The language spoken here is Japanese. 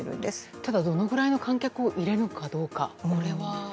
ただ、どのくらいの観客を入れるのかどうかは。